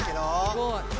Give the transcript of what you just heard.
すごい！